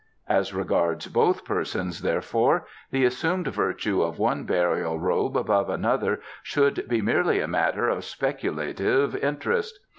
As regards both persons, therefore, the assumed virtue of one burial robe above another should be merely a matter of speculative interest.